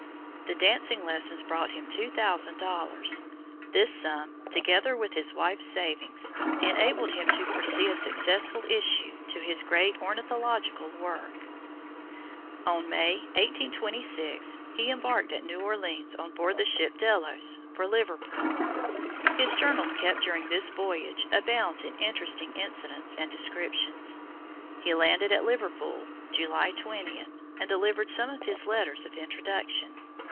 The dancing lessons brought him two thousand dollars; this sum, together with his wife's savings, enabled him to foresee a successful issue to his great ornithological work. On May, 1826, he embarked at New Orleans on board the ship Delos for Liverpool. His journal kept during this voyage abounds in interesting incidents and descriptions. He landed at Liverpool, July 20, and delivered some of his letters of introduction.